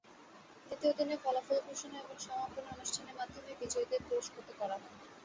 দ্বিতীয় দিনে ফলাফল ঘোষণা এবং সমাপনী অনুষ্ঠানের মাধ্যমে বিজয়ীদের পুরস্কৃত করা হয়।